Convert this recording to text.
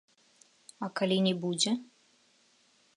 А калі не будзе?